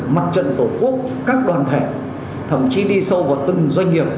mặt trận tổ quốc các đoàn thể thậm chí đi sâu vào từng doanh nghiệp